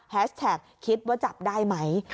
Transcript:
แท็กคิดว่าจับได้ไหม